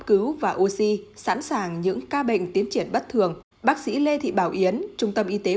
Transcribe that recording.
cứu và oxy sẵn sàng những ca bệnh tiến triển bất thường bác sĩ lê thị bảo yến trung tâm y tế